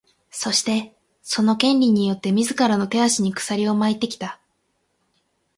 そして、その「権利」によって自らの手足に鎖を巻いてきた。